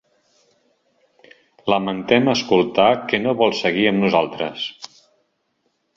Lamentem escoltar que no vol seguir amb nosaltres.